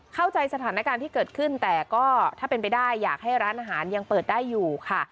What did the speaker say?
เข้าใจสถานการณ์ที่เกิดขึ้นแต่ก็ถ้าเป็นไปได้อยากให้ร้านอาหารยังเปิดได้อยู่ค่ะ